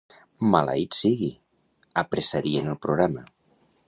Maleït sigui, apressarien el programa.